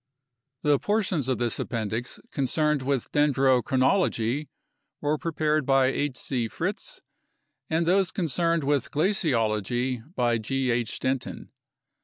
The portions of this Appendix concerned with den drochronology were prepared by H. C. Fritts, and those concerned with glaciology by G. H. Denton.